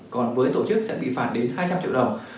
còn với tổ chức sẽ bị phạt đến hai trăm linh triệu đồng